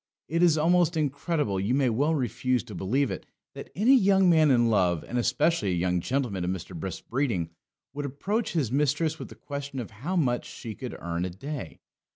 It is almost incredible: you may well refuse to believe it that any young man in love, and especially a young gentleman of Mr. Brisk's breeding, would approach his mistress with the question how much she could earn a day.